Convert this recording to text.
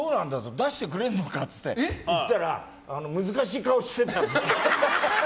出してくれるのかって言ったら難しい顔してた。